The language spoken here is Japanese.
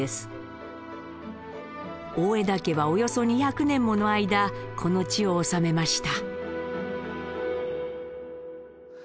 大條家はおよそ２００年もの間この地を治めました。